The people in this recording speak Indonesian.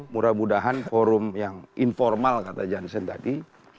mudah mudahan forum yang informal kata jansen tadi